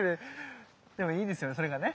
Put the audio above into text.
でもいいですよねそれがね。